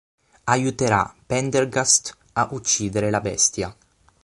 Aiuterà Pendergast a uccidere la bestia.